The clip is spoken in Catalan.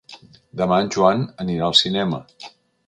Demà en Joan anirà al cinema.